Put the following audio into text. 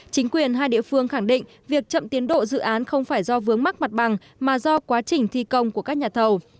chính quyền hai địa phương khẳng định việc chậm tiến độ dự án không phải do vướng mắc mặt bằng mà do quá trình thi công của các nhà thầu